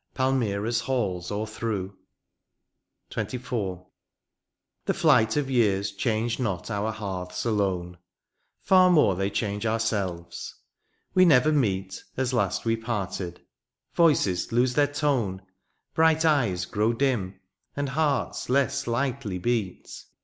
Palmyra's halls overthrew. THE PAST. XXIV. 127 The flight of years change not our hearths done, Far more they change ourselves — ^we never meet As last we parted — ^voices lose their tone. Bright eyes grow dim, and hearts less lightly beat.